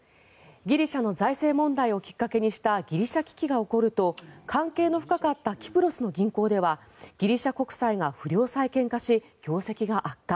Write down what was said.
ギリシャの財政問題をきっかけにしたギリシャ危機が起こると関係の深かったキプロスの銀行ではギリシャ国債が不良債権化し業績が悪化。